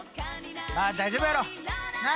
まあ大丈夫やろ！な？